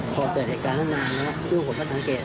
พอเกิดเอการนั้นมาแล้วตรงตั้งเกส